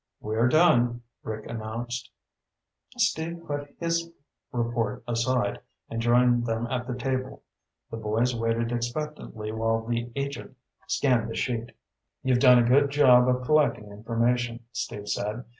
"We're done," Rick announced. Steve put his report aside and joined them at the table. The boys waited expectantly while the agent scanned the sheet. "You've done a good job of collecting information," Steve said.